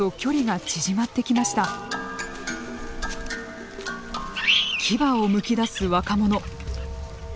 牙をむき出す若者。